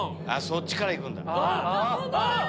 そっちからいくんだ。